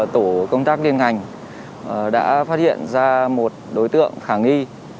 tổ công tác liên ngành đã phát hiện ra một đối tượng khả nghi